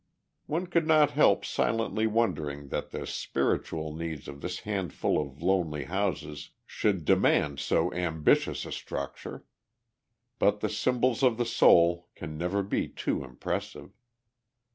One could not help silently wondering that the spiritual needs of this handful of lonely houses should demand so ambitious a structure. But the symbols of the soul can never be too impressive.